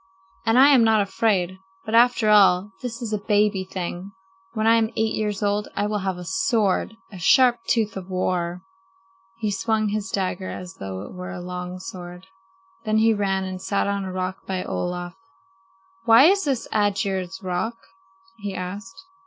And I am not afraid. But after all, this is a baby thing! When I am eight years old I will have a sword, a sharp tooth of war." He swung his dagger as though it were a long sword. Then he ran and sat on a rock by Olaf. "Why is this Aegir's Rock?" he asked.